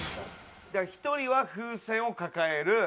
１人は風船を抱える。